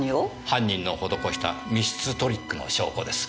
犯人の施した密室トリックの証拠です。